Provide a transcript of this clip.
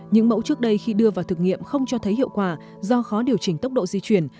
những mẫu trước đây khi đưa vào thực nghiệm không cho thấy hiệu quả do khó điều chỉnh tốc độ di chuyển